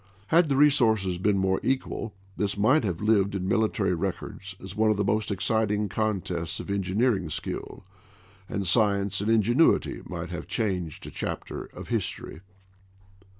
Had the resources been more equal, this might have lived in military records as one of the most exciting contests of engineering skill, and science and in genuity might have changed a chapter of history.